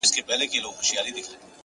هوډ د ناامیدۍ ورېځې لرې کوي،